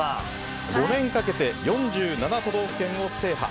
４年かけて、４７都道府県を制覇。